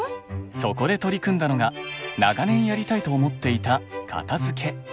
そこで取り組んだのが長年やりたいと思っていた片づけ。